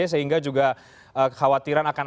sehingga juga kekhawatiran akan